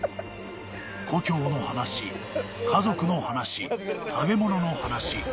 ［故郷の話家族の話食べ物の話好きな人の話］